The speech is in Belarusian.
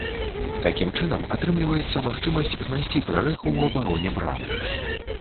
Такім чынам атрымліваецца магчымасць знайсці прарэху ў абароне брамы.